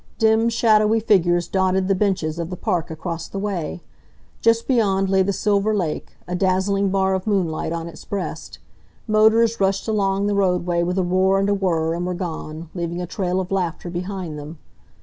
Dim, shadowy figures dotted the benches of the park across the way. Just beyond lay the silver lake, a dazzling bar of moonlight on its breast. Motors rushed along the roadway with a roar and a whir and were gone, leaving a trail of laughter behind them.